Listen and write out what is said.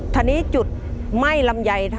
ทีนี้จุดไหม้ลำไย